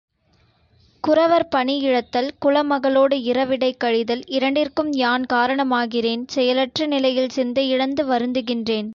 குரவர் பணி இழத்தல், குல மகளோடு இரவிடைக்கழிதல் இரண்டிற்கும் யான் காரணமாகிறேன் செயலற்ற நிலையில் சிந்தை இழந்து வருந்துகின்றேன்.